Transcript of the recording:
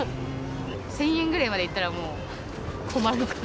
１０００円ぐらいまでいったらもう、困るかな。